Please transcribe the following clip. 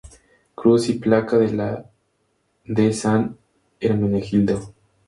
Cruz y placa de la de San Hermenegildo.